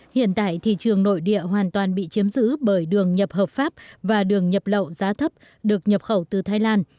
hiện tại thị trường nội địa hoàn toàn bị chiếm giữ bởi đường nhập hợp pháp và đường nhập lậu giá thấp được nhập khẩu từ thái lan